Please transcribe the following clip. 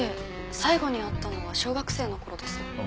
最後に会ったのは小学生の頃です。